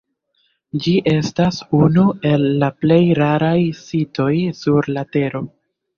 Ĝi estas unu el la plej raraj sitoj sur la tero.